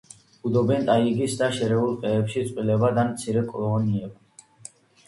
ბუდობენ ტაიგის და შერეულ ტყეებში, წყვილებად ან მცირე კოლონიებად.